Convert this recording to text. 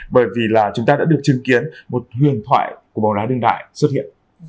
bởi vì là chúng ta đã được chứng kiến một huyền thoại của bóng đá đương đại xuất hiện